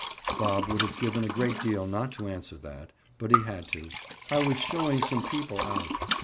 Bob would have given a great deal not to answer that, but he had to. "I was showing some people out."